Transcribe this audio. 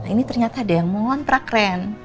ini ternyata ada yang mau ngontrak ren